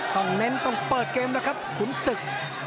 เน้นต้องเปิดเกมนะครับขุนศึก